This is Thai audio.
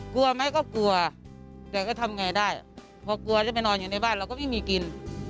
กลัวไหมก็กลัวแต่ก็ทำไงได้พอกลัวจะไปนอนอยู่ในบ้านเราก็ไม่มีกิน